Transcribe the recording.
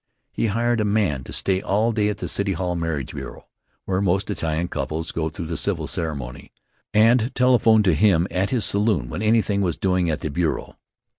He hired a man to stay all day at the City Hall marriage bureau, where most Italian couples go through the civil ceremony, and telephone to him at his saloon when anything was doing at the bureau.